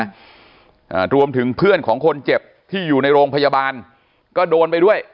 อ่ารวมถึงเพื่อนของคนเจ็บที่อยู่ในโรงพยาบาลก็โดนไปด้วย